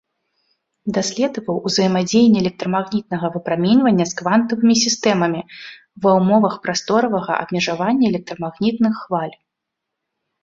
Даследаваў узаемадзеянне электрамагнітнага выпраменьвання з квантавымі сістэмамі ва ўмовах прасторавага абмежавання электрамагнітных хваль.